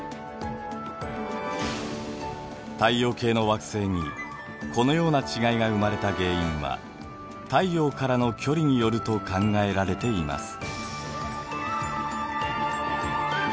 太陽系の惑星にこのような違いが生まれた原因は太陽からの距離によると考えられています。